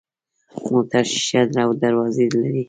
موټر شیشه او دروازې لري.